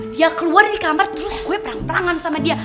dia keluar dari kamar terus gue perang perangan sama dia